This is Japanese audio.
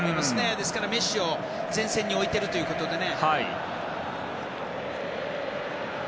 ですからメッシを前線に置いているということでね。